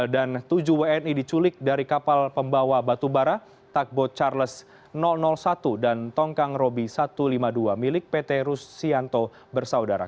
dan tujuh wni diculik dari kapal pembawa batubara takbot charles satu dan tongkang robi satu ratus lima puluh dua milik pt rusianto bersaudara